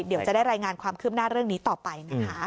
เดี๋ยวจะได้รายงานความคืบหน้าเรื่องนี้ต่อไปนะคะ